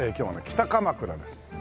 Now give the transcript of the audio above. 北鎌倉です。